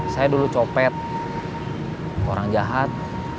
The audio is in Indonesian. saya dulu copet orang jahat